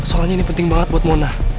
soalnya ini penting banget buat mona